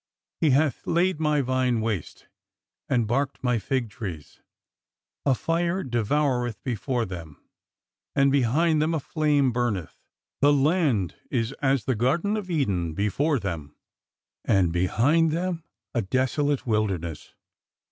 He hath laid my vine waste, and barked my fig trees. ... A fire devoureth before them : and behind them a flame burneth ; the land is as the garden of Eden before them, and behind them a desolate wilder ness."